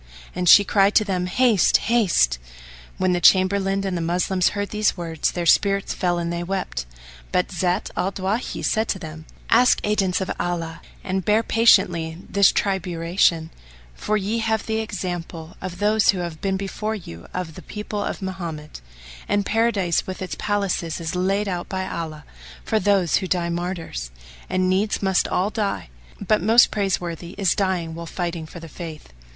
And she cried to them, "Haste! Haste!" When the Chamberlain and the Moslems heard these words, their spirits fell and they wept; but Zat al Dawahi said to them, "Ask aidance of Allah and bear patiently this triburation; for ye have the example of those who have been before you of the people of Mohammed; and Paradise with its palaces is laid out by Allah for those who die martyrs; and needs must all die, but most praiseworthy is dying while fighting for the Faith."